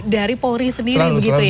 dari polri sendiri begitu ya